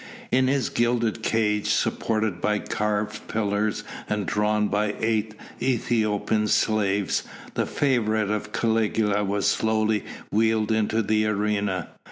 In his gilded cage supported by carved pillars and drawn by eight Ethiopian slaves, the favourite of Caligula was slowly wheeled into the arena.